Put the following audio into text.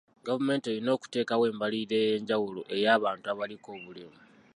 Gavumenti erina okuteekawo embalirira ey'enjawulo ey'abantu abaliko obulemu.